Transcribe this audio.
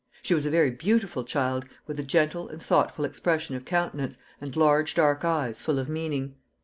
She was a very beautiful child, with a gentle and thoughtful expression of countenance, and large dark eyes, full of meaning.